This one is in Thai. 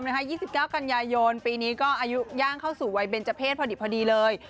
๒๙กันยายนปีนี้ก็อายุย่างเข้าสู่วัยเบนเจอร์เศษพอดีเลย